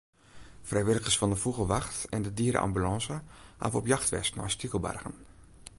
Frijwilligers fan de Fûgelwacht en de diere-ambulânse hawwe op jacht west nei stikelbargen.